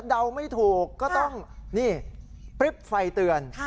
เดาไม่ถูกก็ต้องนี่ปริ๊บไฟเตือน